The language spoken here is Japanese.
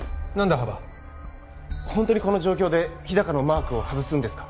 幅ホントにこの状況で日高のマークを外すんですか？